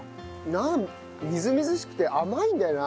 なんみずみずしくて甘いんだよな。